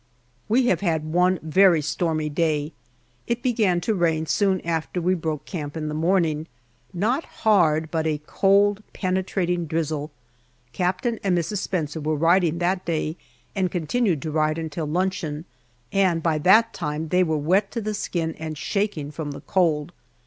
We have had one very stormy day. It began to rain soon after we broke camp in the morning, not hard, but in a cold, penetrating drizzle. Captain and Mrs. Spencer were riding that day and continued to ride until luncheon, and by that time they were wet to the skin and shaking from the cold.